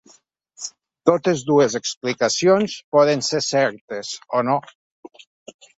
Totes dues explicacions poden ser certes… o no.